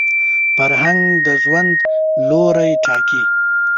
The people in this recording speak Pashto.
فرهنګ د ژوند لوري ټاکي